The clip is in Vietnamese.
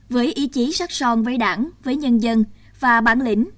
với ý chí sắc son với đảng với nhân dân và bản lĩnh